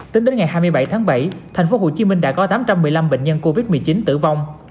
tính đến ngày hai mươi bảy tháng bảy tp hcm đã có tám trăm một mươi năm bệnh nhân covid một mươi chín tử vong